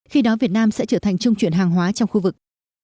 khi đó việt nam sẽ trở thành trung chuyển hàng hóa trong khu vực